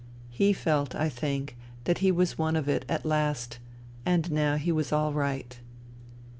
He felt, I think, that he was one of it at last, and now he was all right.